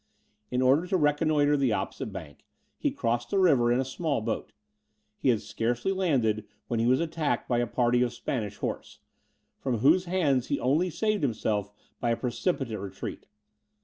In order to reconnoitre the opposite bank, he crossed the river in a small boat; he had scarcely landed when he was attacked by a party of Spanish horse, from whose hands he only saved himself by a precipitate retreat.